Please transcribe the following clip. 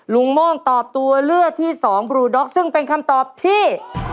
โม่งตอบตัวเลือกที่สองบลูด็อกซึ่งเป็นคำตอบที่